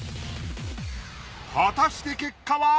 果たして結果は！？